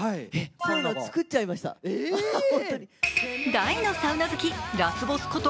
大のサウナ好き、ラスボスこと